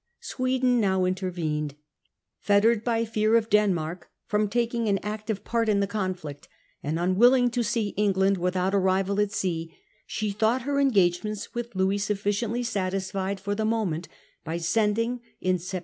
Sweden now intervened. F ettered by fear of Denmark from taking an active part in the conflict, and unwilling Mediation of to see England without a rival at sea, she Conference thought her engagements with Louis suffi opens°June c i ent ty satisfied for the moment by sending, in 1673.